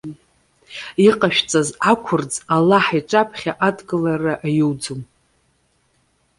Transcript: Иҟашәҵаз ақәырӡ, Аллаҳ иҿаԥхьа адкылара аиуӡом.